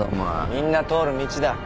みんな通る道だ。